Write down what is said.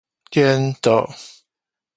顛倒